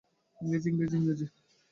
ইংরেজি, ইংরেজি, ইংরেজি।